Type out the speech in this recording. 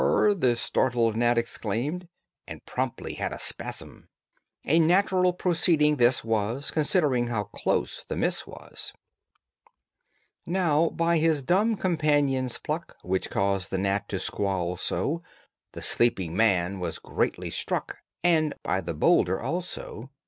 the startled gnat exclaimed, And promptly had a spasm: A natural proceeding this was, Considering how close the miss was. [Illustration: AND SO A WEIGHTY ROCK SHE AIMED] Now by his dumb companion's pluck, Which caused the gnat to squall so, The sleeping man was greatly struck (And by the bowlder, also).